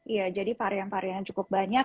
iya jadi varian variannya cukup banyak